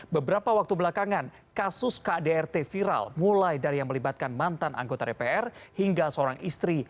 beberapa waktu belakangan kasus kdrt viral mulai dari yang melibatkan mantan anggota dpr hingga seorang istri